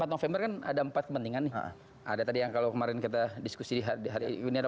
empat november kan ada empat kepentingan nih ada tadi yang kalau kemarin kita diskusi hari ini ada